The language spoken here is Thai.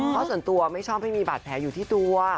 เพราะส่วนตัวไม่ชอบให้มีบาดแผลอยู่ที่ตัว